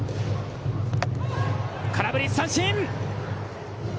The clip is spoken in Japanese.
空振り三振！